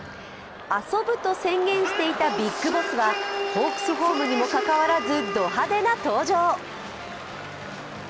遊ぶと宣言していたビッグボスはホークスホームにもかかわらず、ド派手な登場。